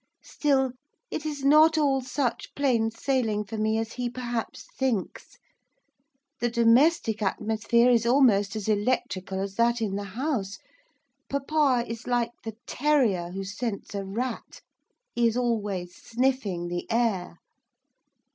Still, it is not all such plain sailing for me as he perhaps thinks. The domestic atmosphere is almost as electrical as that in the House. Papa is like the terrier who scents a rat, he is always sniffing the air.